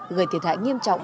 gây thiệt hại nghiêm trọng